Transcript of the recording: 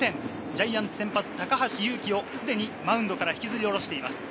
ジャイアンツの先発・高橋優貴がすでにマウンドから引きずり下ろしています。